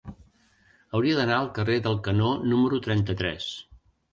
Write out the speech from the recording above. Hauria d'anar al carrer del Canó número trenta-tres.